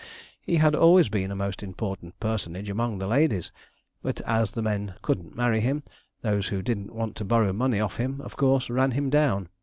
He had always been a most important personage among the ladies, but as the men couldn't marry him, those who didn't want to borrow money of him, of course, ran him down.